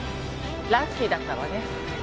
ラッキーだったわね。